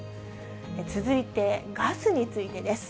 続いてガスについてです。